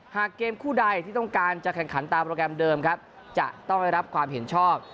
หากเกมคู่ใดที่ต้องการจะแข่งขันตามโปรแกรมเดิมครับจะต้องได้รับความเห็นชอบ